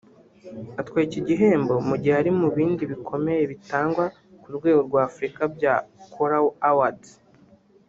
Atwaye iki gihembo mu gihe ari mu bindi bikomeye bitangwa ku rwego rwa Afurika bya Kora Awards